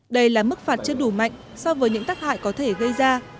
đây là mức phạt chưa đủ mạnh so với những tác hại có thể gây ra